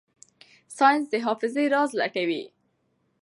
ساینس د حافظې راز لټوي.